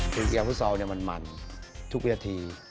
กิจเกียร์พุทธศาสตร์มันมันทุกเวียดที